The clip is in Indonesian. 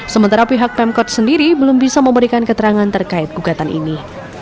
sementara pihak pemkot sendiri belum bisa memberikan keterangan terkait gugatan ini